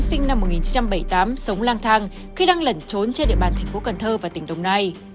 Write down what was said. sinh năm một nghìn chín trăm bảy mươi tám sống lang thang khi đang lẩn trốn trên địa bàn tp cn và tỉnh đồng nai